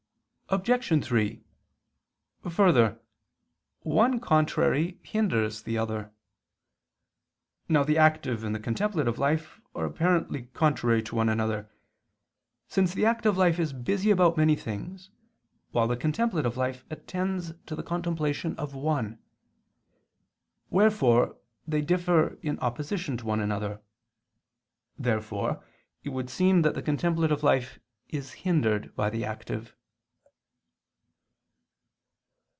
Obj. 3: Further, one contrary hinders the other. Now the active and the contemplative life are apparently contrary to one another, since the active life is busy about many things, while the contemplative life attends to the contemplation of one; wherefore they differ in opposition to one another. Therefore it would seem that the contemplative life is hindered by the active.